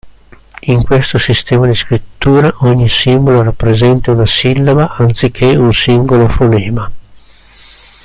In questo sistema di scrittura ogni simbolo rappresenta una sillaba anziché un singolo fonema.